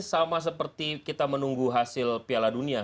sama seperti kita menunggu hasil piala dunia